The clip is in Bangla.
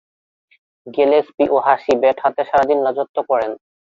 গিলেস্পি ও হাসি ব্যাট হাতে সারাদিন রাজত্ব করেন।